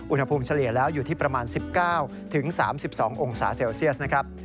เฉลี่ยแล้วอยู่ที่ประมาณ๑๙๓๒องศาเซลเซียสนะครับ